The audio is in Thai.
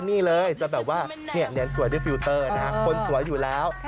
นี่เลยจะแบบว่าเนียนสวยด้วยฟิลเตอร์นะคนสวยอยู่แล้ว